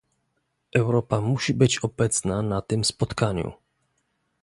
Europa musi być obecna na tym spotkaniu